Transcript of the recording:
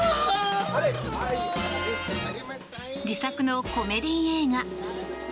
自作のコメディー映画。